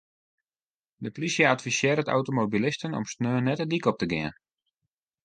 De plysje advisearret automobilisten om saterdei net de dyk op te gean.